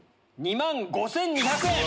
２万５２００円！え⁉